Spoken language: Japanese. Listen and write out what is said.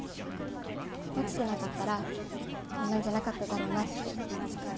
落ちてなかったらこんなんじゃなかっただろうなって。